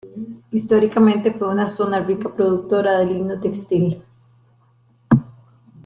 Históricamente fue una zona rica productora de lino textil.